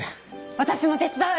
私も手伝う！